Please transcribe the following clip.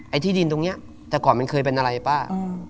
ที่ดินตรงนี้แต่ก่อนมันเคยเป็นอะไรป้า